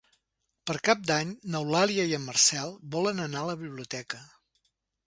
Per Cap d'Any n'Eulàlia i en Marcel volen anar a la biblioteca.